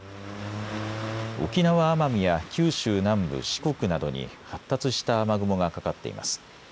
沖縄・奄美や九州南部、四国などに発達した雨雲がかかっています。